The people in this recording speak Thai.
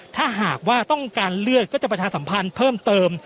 ถ้าหากว่าต้องการเลือดก็จะประชาสัมพันธ์เพิ่มเติม